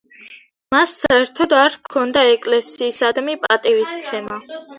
მას საერთოდ არ ჰქონდა ეკლესიისადმი პატივისცემა.